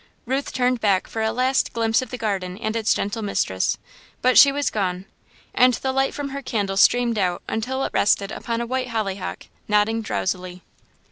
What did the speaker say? Ruth turned back for a last glimpse of the garden and its gentle mistress, but she was gone, and the light from her candle streamed out until it rested upon a white hollyhock, nodding drowsily.